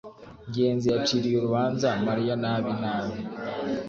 ngenzi yaciriye urubanza mariya nabi nabi